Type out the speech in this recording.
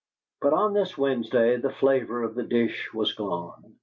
But on this Wednesday the flavour of the dish was gone.